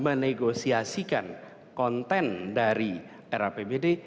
menegosiasikan konten dari era pbd